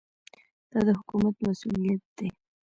دا د حکومت مسوولیت دی.